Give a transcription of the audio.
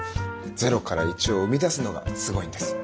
ゼロから１を生み出すのがすごいんです。